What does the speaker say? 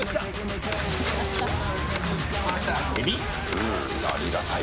うん、ありがたい。